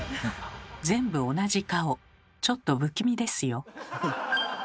全部同じ顔ちょっと不気味ですよ。